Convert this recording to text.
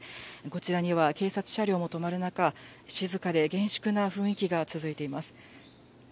こちらには、警察車両も止まる中、静かで厳粛な雰囲気が続いています。